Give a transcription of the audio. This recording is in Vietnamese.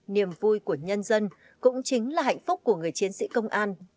niềm vui của nhân dân cũng chính là hạnh phúc của người chiến sĩ công an